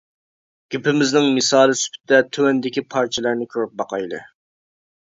گېپىمىزنىڭ مىسالى سۈپىتىدە تۆۋەندىكى پارچىلارنى كۆرۈپ باقايلى.